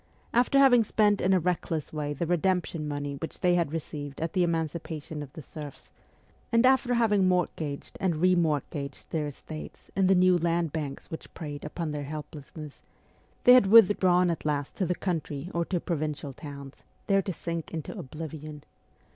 After having spent in a ST. PETERSBURG 47 reckless way the redemption money which they had received at the emancipation of the serfs, and after having mortgaged and remortgaged their estates in the new land banks which preyed upon their helplessness, they had withdrawn at last to the country or to provincial towns, there to sink into oblivion.